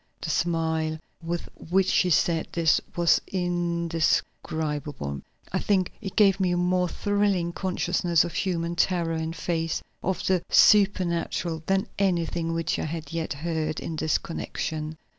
The smile with which she said this was indescribable. I think it gave me a more thrilling consciousness of human terror in face of the supernatural than anything which I had yet heard in this connection.